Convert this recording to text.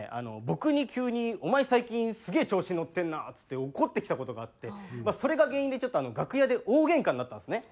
僕に急に「お前最近すげえ調子に乗ってんな！」っつって怒ってきた事があって。それが原因でちょっと楽屋で大げんかになったんですね。